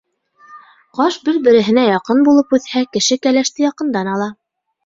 Ҡаш бер-береһенә яҡын булып үҫһә, кеше кәләште яҡындан ала.